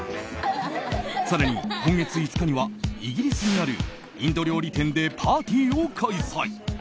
更に今月５日にはイギリスにあるインド料理店でパーティーを開催。